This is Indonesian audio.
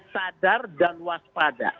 sadar dan waspada